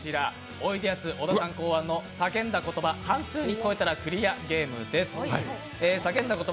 おいでやす小田さん考案の「叫んだ言葉半数に聞こえたらクリアゲーム」です。